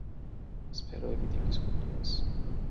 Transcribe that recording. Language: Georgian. სფეროები დიკის კულტურას.